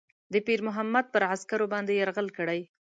د پیرمحمد پر عسکرو باندي یرغل کړی.